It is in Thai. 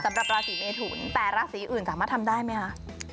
สำหรับราศีเมทุนแต่ราศีอื่นสามารถทำได้ไหมคะ